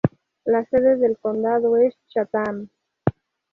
La sede del condado es Chatham.